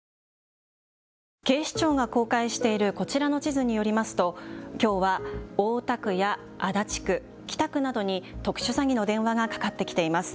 警視庁が公開しているこちらの地図によりますときょうは大田区や足立区、北区などに特殊詐欺の電話がかかってきています。